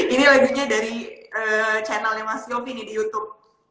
ini lagunya dari channelnya mas yofi nih di youtube